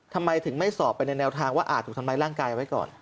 ทำไมถึงไม่สอบไปในแนวทางว่าอาจถูกทำร้ายร่างกายไว้ก่อน